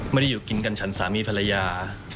ไม่ได้อยู่กินกันฉันสามีภรรยา